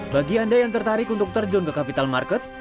bagi anda yang tertarik untuk terjun ke capital market